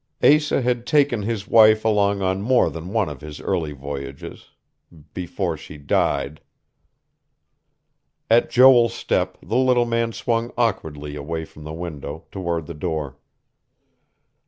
Asa had taken his wife along on more than one of his early voyages ... before she died.... At Joel's step, the little man swung awkwardly away from the window, toward the door.